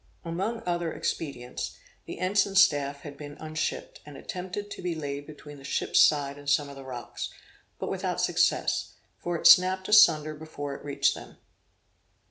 Among other expedients, the ensign staff had been unshipped, and attempted to be laid between the ship's side and some of the rocks, but without success, for it snapped assunder before it reached them.